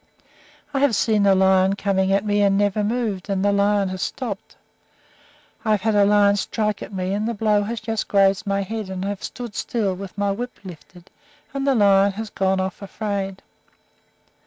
I have seen a lion coming at me and have never moved, and the lion has stopped. I have had a lion strike at me and the blow has just grazed my head, and have stood still, with my whip lifted, and the lion has gone off afraid.